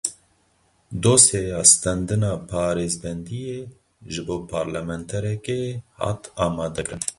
Dosyeya standina parêzbendiyê ji bo parlamenterekê hat amadekirin.